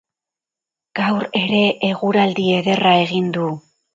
Gaur ere eguraldi ederra egin du.